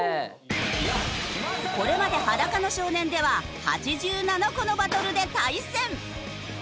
これまで『裸の少年』では８７個のバトルで対戦！